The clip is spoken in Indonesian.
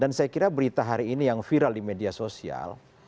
dan saya kira berita hari ini yang viral di media sosial